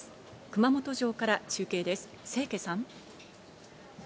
熊本城から中継です、清家さん。